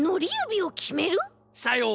さよう。